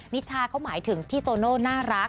นิชาเขาหมายถึงพี่โตโน่น่ารัก